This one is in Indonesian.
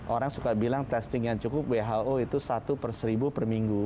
orang suka bilang testing yang cukup who itu satu per seribu per minggu